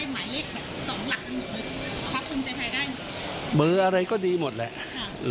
ท่านบุคคลาสมัคร